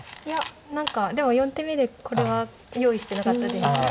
いや何かでも４手目でこれは用意してなかったです。